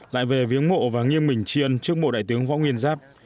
lại về viếng mộ và nghiêng mình chiên trước bộ đại tướng võ nguyên giáp